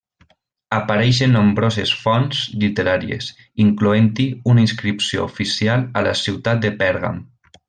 Apareix en nombroses fonts literàries, incloent-hi una inscripció oficial a la ciutat de Pèrgam.